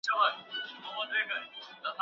د افغانستان روغتیایي راتلونکی څنګه دی؟